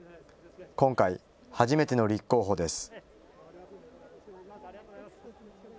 今回、初めての立候補です。